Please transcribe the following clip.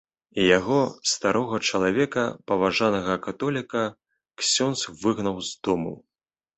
Яго, старога чалавека, паважанага католіка, ксёндз выгнаў з дому!